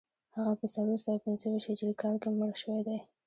هغه په څلور سوه پنځه ویشت هجري کال کې مړ شوی دی